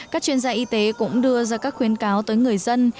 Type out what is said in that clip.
các chuyên gia y tế cũng đưa ra các khuyến cáo tới người dân